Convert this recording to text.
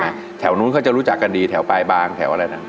แถวนู้นเขาจะรู้จักกันดีแถวปลายบางแถวอะไรนะ